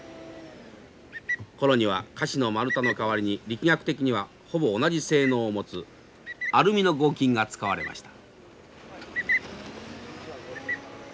転木にはカシの丸太の代わりに力学的にはほぼ同じ性能を持つアルミの合金が使われました。